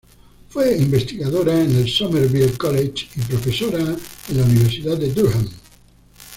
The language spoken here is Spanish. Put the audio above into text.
Fue investigadora en el Somerville College y profesora en la Universidad de Durham.